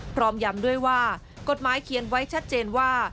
ยำด้วยว่ากฎหมายเขียนไว้ชัดเจนว่า